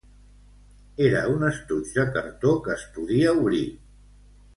Era un estoig de cartó que es podia obrir